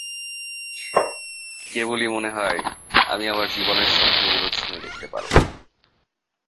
কেবলই মনে হয়, আমি আমার জীবনের স্বপ্নগুলো ছুঁয়ে দেখতে পারব না।